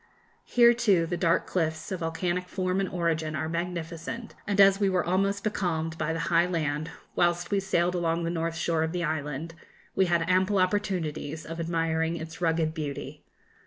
Here, too, the dark cliffs, of volcanic form and origin, are magnificent, and as we were almost becalmed by the high land whilst we sailed along the north shore of the island, we had ample opportunities of admiring its rugged beauty.